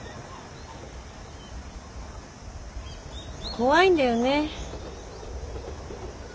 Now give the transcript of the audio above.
怖いんだよね。